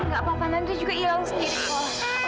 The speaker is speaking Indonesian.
nggak apa apa nanti juga hilang sendiri kava